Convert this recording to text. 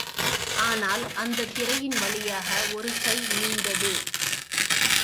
ஆனால், அந்தத் திரையின் வழியாக ஒரு கை நீண்டது.